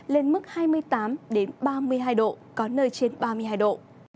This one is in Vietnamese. lên mức hai mươi tám ba mươi hai độ có nơi trên ba mươi hai độ